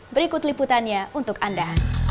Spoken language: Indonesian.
berikut liputannya untuk anda